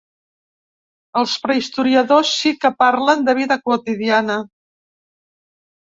Els prehistoriadors sí que parlen de vida quotidiana.